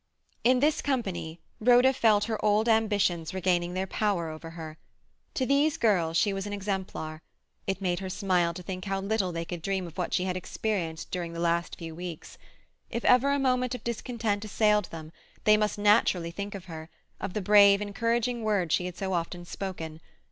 In this company Rhoda felt her old ambitions regaining their power over her. To these girls she was an exemplar; it made her smile to think how little they could dream of what she had experienced during the last few weeks; if ever a moment of discontent assailed them, they must naturally think of her, of the brave, encouraging words she had so often spoken.